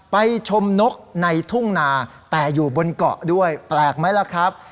ไปชมนกในทุ่งนาแต่อยู่บนเกาะด้วยแปลกไหมล่ะครับ